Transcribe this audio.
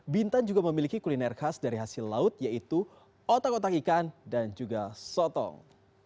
bintan juga memiliki kuliner khas dari hasil laut yaitu otak otak ikan dan juga sotong